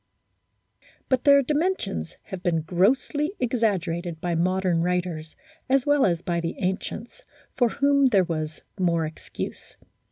But their dimensions have been grossly exaggerated by modern writers as well as by the ancients, for whom there was more excuse.